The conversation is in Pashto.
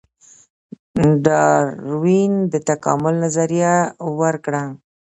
ډاروین د تکامل نظریه ورکړه